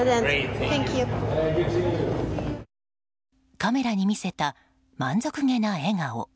カメラに見せた満足げな笑顔。